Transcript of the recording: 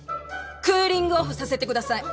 クーリングオフさせてください。